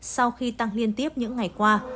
sau khi tăng liên tiếp những ngày qua